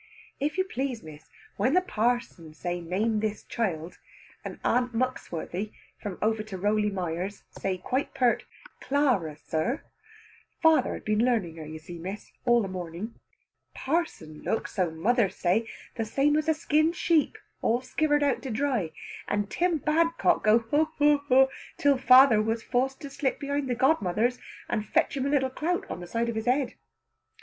If you please Miss, when the parson say "Name this child," and Aunt Muxworthy, from over to Rowley Mires, say, quite peart, "Clara, sir" father had been learning her, you see Miss, all the morning parson look, so mother say, the same as a skinned sheep all skivered out to dry; and Tim Badcock go haw haw, till father was forced to slip behind the godmothers and fetch him a little clout on the side of his head.